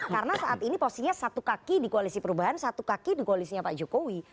karena saat ini posisinya satu kaki di koalisi perubahan satu kaki di koalisinya pak jokowi